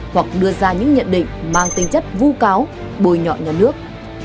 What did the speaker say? hoặc đưa ra những nhận định mang tính chất vu cáo bồi nhọ nhà nước